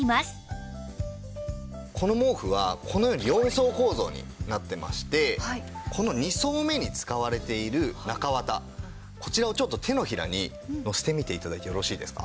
この毛布はこのように４層構造になってましてこの２層目に使われている中綿こちらをちょっと手のひらにのせてみて頂いてよろしいですか？